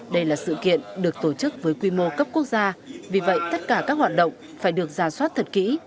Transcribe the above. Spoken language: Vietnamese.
đây là sự kiện được tổ chức với quy mô cấp quốc gia vì vậy tất cả các hoạt động phải được ra soát thật kỹ